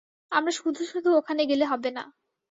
আমরা শুধু শুধু ওখানে গেলে হবে না।